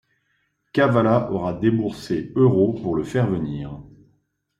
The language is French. Kavala aura déboursé euros pour le faire venir.